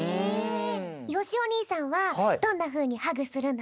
よしお兄さんはどんなふうにハグするの？